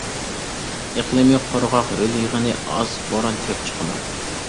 ئىقلىمى قۇرغاق، ھۆل-يېغىنى ئاز، بوران كۆپ چىقىدۇ.